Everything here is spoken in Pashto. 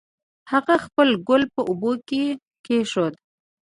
هغې خپل ګل په اوبو کې کېښود